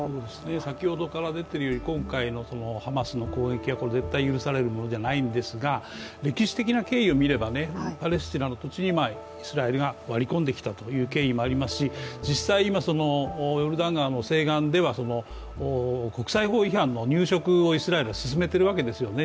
先ほどから出ているように今回のハマスの攻撃は、これ、絶対許されるものじゃないんですが歴史的なことを考えるとハマスの土地にイスラエルが割り込んできたという経緯もありますし実際、ヨルダン川西岸では国際法違反の入植をイスラエルは進めているわけですよね。